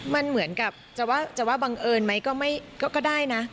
มันเหมือนกับจะว่าบังเอิญไหมก็ได้นะ